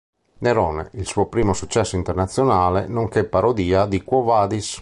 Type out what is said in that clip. Nerone," suo primo successo internazionale nonché parodia di "Quo vadis?